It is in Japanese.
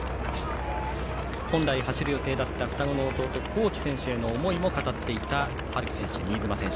本来走る予定だった双子の弟、昂己選手への思いも語っていた新妻遼己選手。